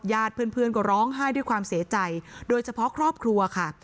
เพื่อนก็ร้องไห้ด้วยความเสียใจโดยเฉพาะครอบครัวค่ะ